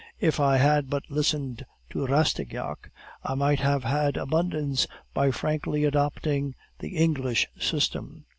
If I had but listened to Rastignac, I might have had abundance by frankly adopting the 'English system.